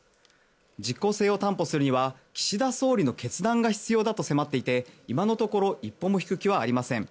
実効性を担保するには岸田総理の決断が必要だと迫っていて今のところ一歩も引く気はありません。